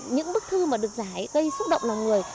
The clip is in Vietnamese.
những bức thư mà được giải gây xúc động lòng người